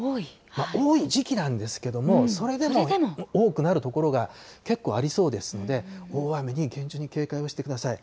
多い時期なんですけども、それでも多くなる所が結構ありそうですので、大雨に厳重に警戒をしてください。